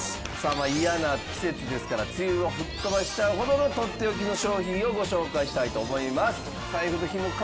まあ嫌な季節ですから梅雨を吹っ飛ばしちゃうほどのとっておきの商品をご紹介したいと思います。